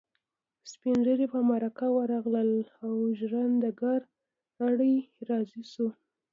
سپين ږيري په مرکه ورغلل او ژرنده ګړی راضي شو.